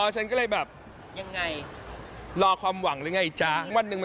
จริงเหรอ